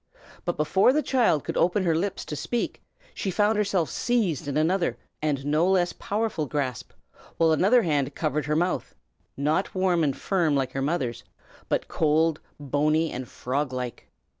But before the child could open her lips to speak, she found herself seized in another and no less powerful grasp, while another hand covered her mouth, not warm and firm like her mother's, but cold, bony, and frog like.